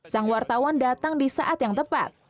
sang wartawan datang di saat yang tepat